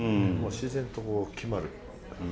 自然と決まる。